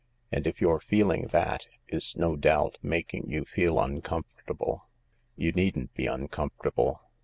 And, if you're feeling that, it's no doubt making you feel uncomfortable. You needn't be uncomfortable.